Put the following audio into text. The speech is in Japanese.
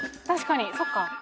確かにそっか。